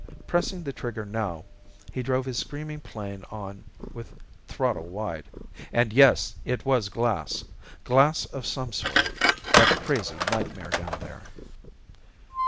Pressing the trigger now, he drove his screaming plane on with throttle wide and yes, it was glass! glass of some sort, that crazy nightmare down there.